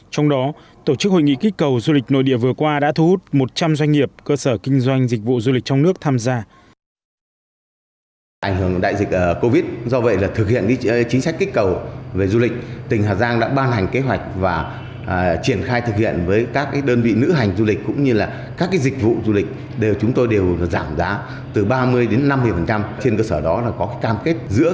trong đó tổ chức hội nghị kích cầu du lịch nội địa vừa qua đã thu hút một trăm linh doanh nghiệp cơ sở kinh doanh dịch vụ du lịch trong nước tham gia